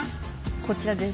こちらです。